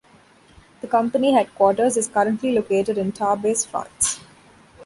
The company headquarters is currently located in Tarbes, France.